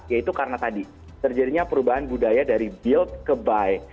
yaitu karena tadi terjadinya perubahan budaya dari build ke buy